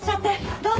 どうぞ。